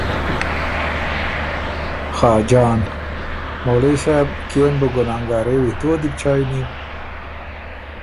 خاجان ـــ”مولَيي صاب! کيې م بُو ګنانګارېوی، تُو وه دی بُو چایٛ نیو؟“